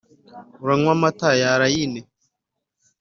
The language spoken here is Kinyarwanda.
uranywa amata ya allayne.